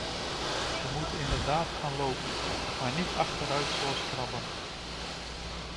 We moeten inderdaad gaan lopen, maar niet achteruit zoals krabben.